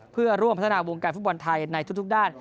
เพื่อร่วมพัฒนาวงการฟุตบอลไทยในทุกด้าน